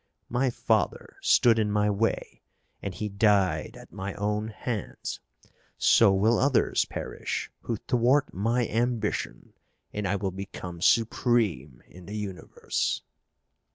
My father stood in my way and he died at my own hands. So will others perish who thwart my ambition, and I will become supreme in the universe!"